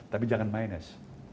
tapi jangan minus